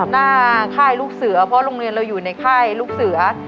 ค่ายลูกเสือเพราะโรงเรียนเราอยู่ในค่ายลูกเสือ